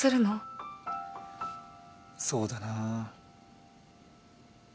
そうだな。